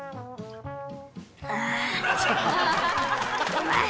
うまい！